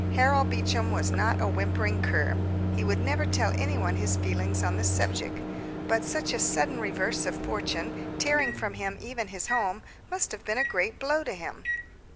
Harold Beecham was not a whimpering cur. He would never tell anyone his feelings on the subject; but such a sudden reverse of fortune, tearing from him even his home, must have been a great blow to him.